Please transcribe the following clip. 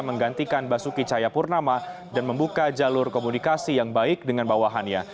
menggantikan basuki cahayapurnama dan membuka jalur komunikasi yang baik dengan bawahannya